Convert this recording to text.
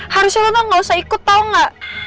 harusnya memang gak usah ikut tau gak